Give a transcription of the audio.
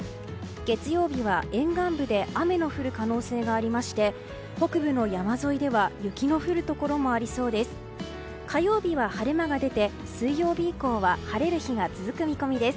月曜日は沿岸部で雨の降る可能性がありまして北部の山沿いでは雪の降るところもありそうです。